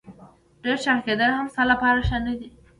ډېر چاغ کېدل هم ستا لپاره ښه نه دي.